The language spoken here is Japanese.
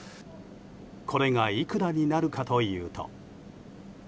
これがいくらになるかというと。